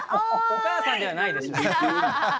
お母さんではないでしょ。